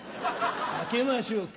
開けましょうか？